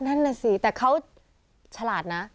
นั่นแหละสิแต่เขาฉลาดนะ